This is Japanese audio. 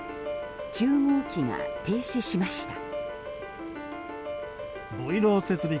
９号機が停止しました。